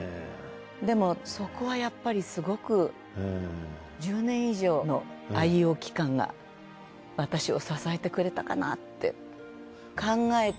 でもそこはやっぱりすごく１０年以上の愛用期間が私を支えてくれたかなって。